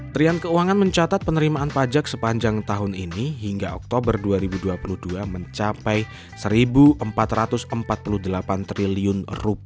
trian keuangan mencatat penerimaan pajak sepanjang tahun ini hingga oktober dua ribu dua puluh dua mencapai rp satu empat ratus empat puluh delapan triliun